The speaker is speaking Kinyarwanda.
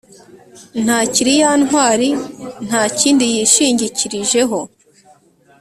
ntakiri ya ntwari , ntakindiyishingiikirijeho